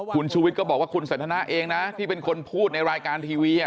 คุณชูวิทย์ก็บอกว่าคุณสันทนาเองนะที่เป็นคนพูดในรายการทีวี